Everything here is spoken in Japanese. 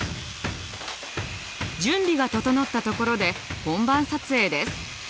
準備が整ったところで本番撮影です。